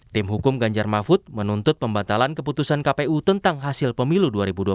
tim hukum ganjar mahfud menuntut pembatalan keputusan kpu tentang hasil pemilu dua ribu dua puluh